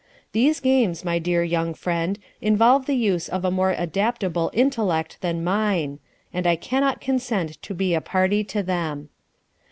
These games, my dear young friend, involve the use of a more adaptable intellect than mine, and I cannot consent to be a party to them.